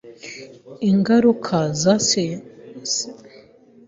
Ingaruka zasezeranijwe ziva mu kwihana